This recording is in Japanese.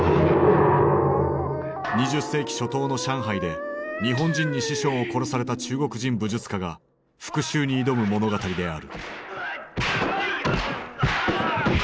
２０世紀初頭の上海で日本人に師匠を殺された中国人武術家が復讐に挑む物語である。